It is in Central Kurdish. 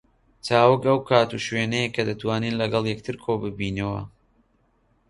چاوگ ئەو کات و شوێنەیە کە دەتوانین لەگەڵ یەکتر کۆ ببینەوە